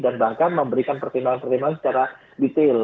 dan bahkan memberikan pertimbangan pertimbangan secara detail